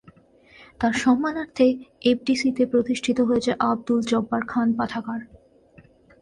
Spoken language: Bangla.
তার সম্মানার্থে এফডিসি-তে প্রতিষ্ঠিত হয়েছে আবদুল জব্বার খান পাঠাগার।